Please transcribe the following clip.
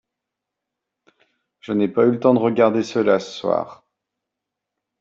je n'ai pas eu le temps de regarder cela ce soir.